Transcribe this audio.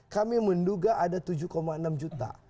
kami menduga ada tujuh enam juta